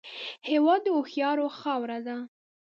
هېواد د هوښیارو خاوره ده